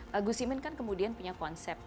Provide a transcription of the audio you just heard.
pak guzimin kan kemudian punya konsep